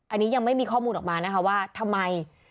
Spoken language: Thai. อันนี้ยังไม่มีข้อมูลออกมานะคะว่าทำไม